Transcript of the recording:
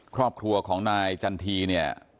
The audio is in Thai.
ครอบครัวของนายจันทีเนี่ย